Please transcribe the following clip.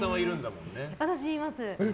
私、います。